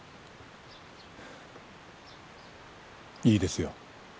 いいですよ。